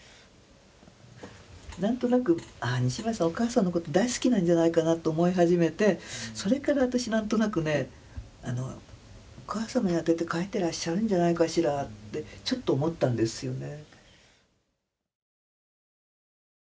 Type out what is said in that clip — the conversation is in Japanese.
何となく西村さんお母さんのこと大好きなんじゃないかなと思い始めてそれから私何となくねお母さまに宛てて書いてらっしゃるんじゃないかしらってちょっと思ったんですよね。